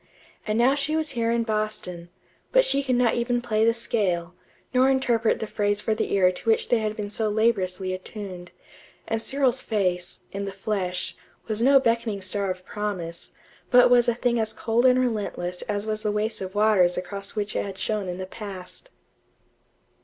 And now she was here in Boston, but she could not even play the scale, nor interpret the phrase for the ear to which they had been so laboriously attuned; and Cyril's face, in the flesh, was no beckoning star of promise, but was a thing as cold and relentless as was the waste of waters across which it had shone in the past.